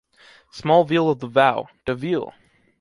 Small Veal of the Vau... deville!